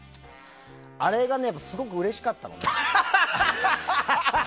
あれが、すごくうれしかったのね。